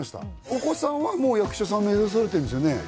お子さんはもう役者さん目指されてるんですよね？